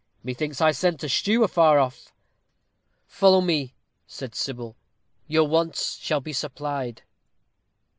Methinks I scent a stew afar off." "Follow me," said Sybil; "your wants shall be supplied."